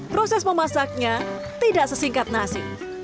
proses memasaknya tidak sesingkat nasi